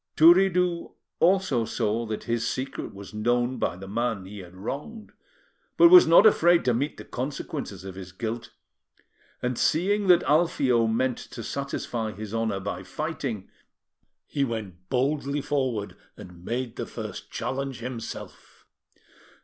Turiddu also saw that his secret was known by the man he had wronged, but was not afraid to meet the consequences of his guilt; and seeing that Alfio meant to satisfy his honour by fighting, he went boldly forward and made the first challenge himself.